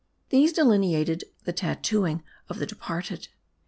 These delineated the tattooing of the departed.